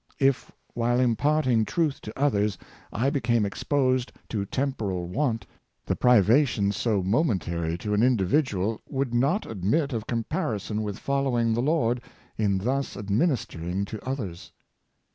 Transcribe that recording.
If, while imparting truth to others, I became exposed to temporal want, the privations so momentary to an individual would not admit of comparison with following the Lord, in thus administering to others."